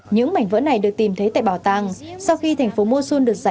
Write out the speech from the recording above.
những mảnh vỡ này được tìm thấy tại bảo tàng